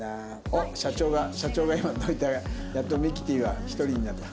おっ社長が社長が今どいたからやっとミキティは１人になった。